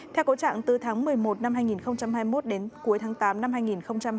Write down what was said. theo cố trạng từ tháng một mươi một năm hai nghìn hai mươi một đến cuối tháng tám năm hai nghìn hai mươi ba